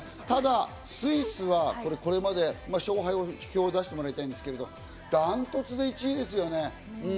ただスイスはこれまで、勝敗表を出してもらいたいんですけど、ダントツで１位ですね。